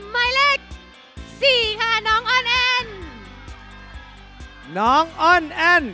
หมายเลขสี่ค่ะน้องอ้อนแอนน้องอ้อนแอ้น